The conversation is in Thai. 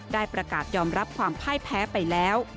ได้ประกาศยอมรับความพ่ายแพ้ไปแล้ว